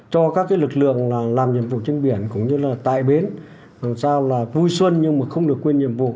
cho các lực lượng làm nhiệm vụ trên biển cũng như là tại bến làm sao là vui xuân nhưng mà không được quên nhiệm vụ